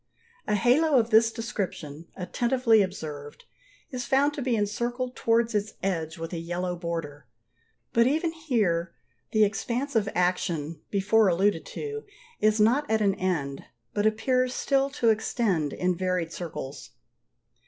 A halo of this description, attentively observed, is found to be encircled towards its edge with a yellow border: but even here the expansive action, before alluded to, is not at an end, but appears still to extend in varied circles.